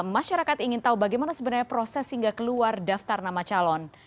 masyarakat ingin tahu bagaimana sebenarnya proses hingga keluar daftar nama calon